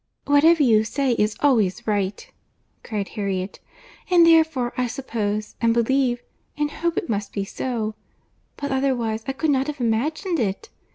"Whatever you say is always right," cried Harriet, "and therefore I suppose, and believe, and hope it must be so; but otherwise I could not have imagined it.